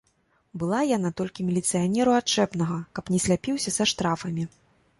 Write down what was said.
Была яна толькі міліцыянеру адчэпнага, каб не сляпіўся са штрафамі.